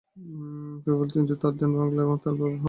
কেবল তখনই তার ধ্যান ভাঙল, যখন বাবা তার হাত রাখলেন কাঁধে।